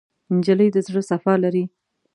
نجلۍ د زړه صفا لري.